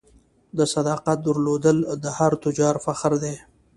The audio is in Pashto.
د صداقت درلودل د هر تجارت فخر دی.